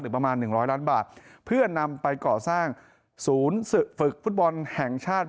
ประมาณ๑๐๐ล้านบาทเพื่อนำไปก่อสร้างศูนย์ฝึกฟุตบอลแห่งชาติ